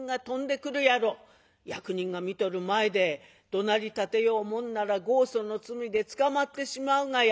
役人が見とる前でどなりたてようもんなら強訴の罪で捕まってしまうがや。